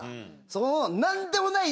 そこの何でもない。